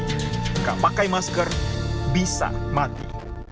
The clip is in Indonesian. tidak pakai masker bisa mati